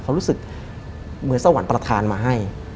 เขารู้สึกเหมือนเศร้าหวันประทานมาให้